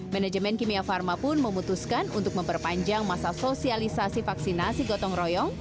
manajemen kimia pharma pun memutuskan untuk memperpanjang masa sosialisasi vaksinasi gotong royong